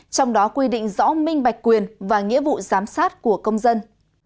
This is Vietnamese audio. trong đó quy định rõ minh bạch quyền và nghĩa vụ giám sát của công dân